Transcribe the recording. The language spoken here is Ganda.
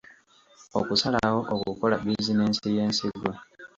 Okusalawo okukola bizinensi y’ensigo.